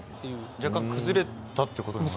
若干崩れたってことですか。